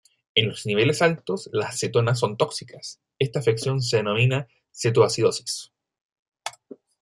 En niveles altos, las cetonas son tóxicas, Esta afección se denomina cetoacidosis.